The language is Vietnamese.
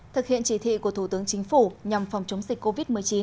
thực hiện chỉ thị của thủ tướng chính phủ nhằm phòng chống dịch covid một mươi chín